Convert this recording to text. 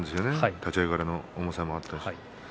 立ち合いからの重さもあったし。